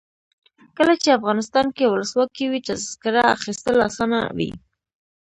کله چې افغانستان کې ولسواکي وي تذکره اخیستل اسانه وي.